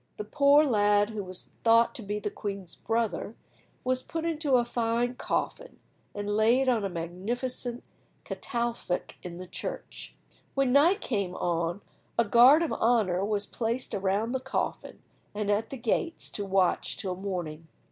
The poor lad, who was thought to be the queen's brother, was put in a fine coffin, and laid on a magnificent catafalque in the church. When night came on a guard of honour was placed around the coffin and at the gates to watch till morning.